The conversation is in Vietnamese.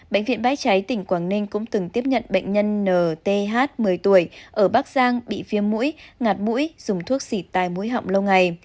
bệnh viện bãi cháy tỉnh quảng ninh cũng từng tiếp nhận bệnh nhân nth một mươi tuổi ở bắc giang bị viêm mũi ngạt mũi dùng thuốc xịt tai mũi họng lâu ngày